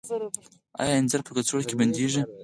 آیا انځر په کڅوړو کې بندیږي؟